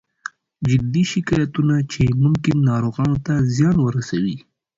جدي شکایتونه چې ممکن ناروغانو ته زیان ورسوي